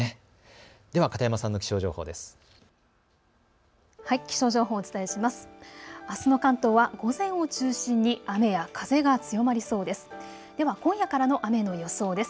では片山さんの気象情報です。